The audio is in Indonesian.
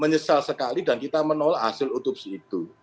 menyesal sekali dan kita menolak hasil otopsi itu